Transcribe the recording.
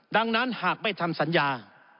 ดังนั้นหากไม่ทำสัญญา